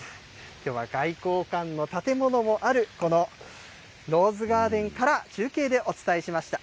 きょうは外交官の建物もあるこのローズガーデンから中継でお伝えしました。